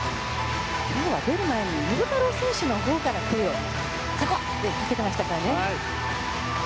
今日は出る前に陽太郎選手のほうから声をかけていましたからね。